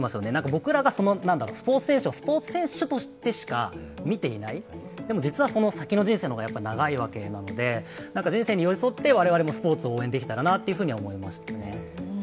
僕らがスポーツ選手をスポーツ選手としてしか見ていない、でも実は、その先の人生の方が長いわけなので、人生に寄り添って我々もスポーツを応援できたらなと思いましたね。